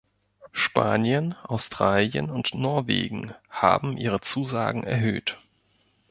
Spanien, Australien und Norwegen haben ihre Zusagen erhöht.